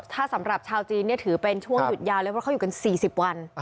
ถ้าสำหรับชาวจีนเนี่ยถือเป็นช่วงหยุดยาวเลยเพราะเขาอยู่กัน๔๐วัน